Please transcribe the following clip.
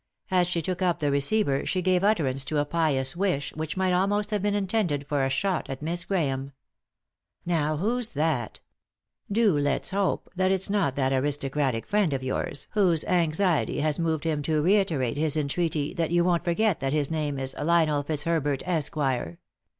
As she took up the receiver she gave utterance to a pious wish which might almost have been intended for a shot at Miss Grahame. " Now, who's that ? Do let's hope that it's not that aristocratic friend of yours whose anxiety has moved him to reiterate his entreaty that you won't forget that his name is Lionel Fitzberbert, Esquire.